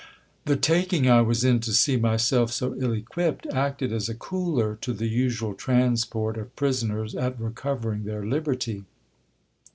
The taking I was in to see myself so ill equipped, acted as a cooler to the usual transport of prisoners at recovering their liberty.